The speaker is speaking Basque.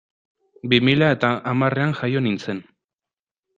Bi mila eta hamarrean jaio nintzen.